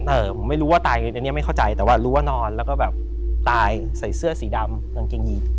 ผมไม่รู้ว่าตายอันนี้ไม่เข้าใจแต่ว่ารู้ว่านอนแล้วก็แบบตายใส่เสื้อสีดำกางเกงยีน